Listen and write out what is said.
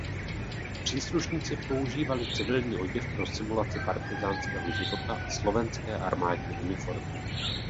Příslušníci používali civilní oděv pro simulaci partyzánského života a slovenské armádní uniformy.